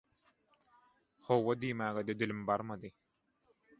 «Hawa» diýmäge-de dilim barmady.